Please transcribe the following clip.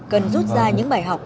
cần rút ra những bài học